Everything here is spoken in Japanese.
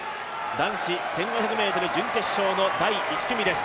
男子１５００ｍ準決勝の第１組です。